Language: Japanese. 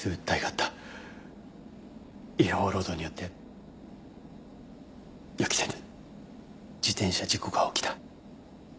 違法労働によって予期せぬ自転車事故が起きた。